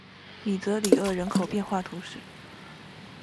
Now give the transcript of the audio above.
米泽里厄人口变化图示